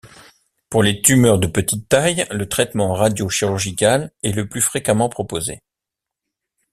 Pour les tumeurs de petite taille, le traitement radio-chirurgical est le plus fréquemment proposé.